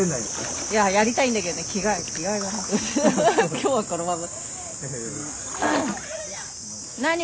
今日はこのまま。